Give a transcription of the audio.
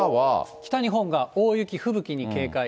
北日本が大雪、吹雪に警戒。